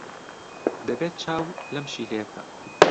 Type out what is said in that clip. دەبێت چاو لەم پشیلەیە بکەم.